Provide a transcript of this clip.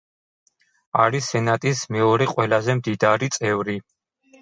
არის სენატის მეორე ყველაზე მდიდარი წევრი.